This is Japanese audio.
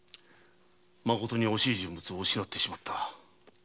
まことに惜しい人物を失ってしまった。